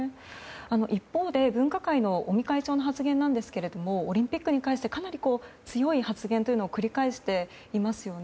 一方で分科会の尾身会長の発言なんですけれどもオリンピックに関してかなり強い発言を繰り返していますよね。